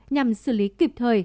nhằm xử lý kịp thời